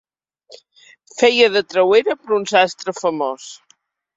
Feia de trauera per a un sastre famós.